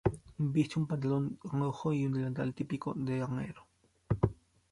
Viste un pantalón rojo y un delantal típico de herrero.